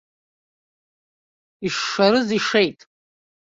Ишшарыз ишеит.